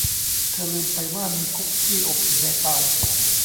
เธอลืมไปว่ามีคุกกี้อบอยู่ในเตา